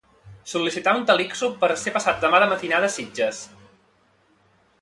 Sol·licitar un Talixo per ser passat demà de matinada a Sitges.